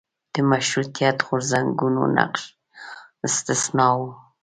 د مشروطیت غورځنګونو نقش استثنا و.